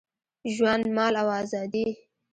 ژوند، مال او آزادي